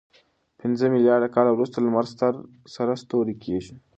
پنځه میلیارد کاله وروسته لمر ستر سره ستوری کېږي.